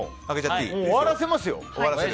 終わらせますよ。